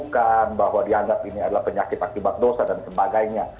bukan bahwa dianggap ini adalah penyakit akibat dosa dan sebagainya